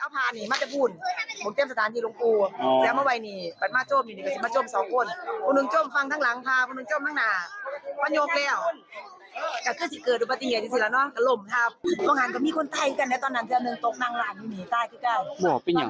ตัวตรงแม่งหลานใต้คนเดียว